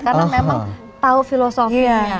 karena memang tahu filosofinya